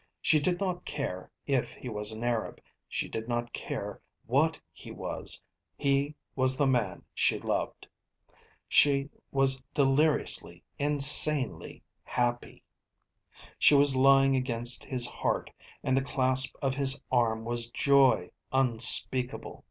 She did not care if he was an Arab, she did not care what he was, he was the man she loved. She was deliriously, insanely happy. She was lying against his heart, and the clasp of his arm was joy unspeakable.